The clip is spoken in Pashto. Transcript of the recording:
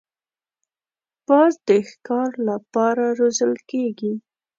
باز د ښکار له پاره روزل کېږي